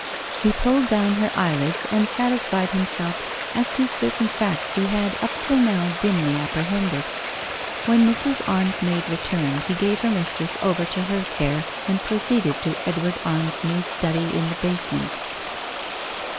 He pulled down her eyelids and satisfied himself as to certain facts he had up till now dimly apprehended. When Mrs. Arne's maid returned, he gave her mistress over to her care and proceeded to Edward Arne's new study in the basement.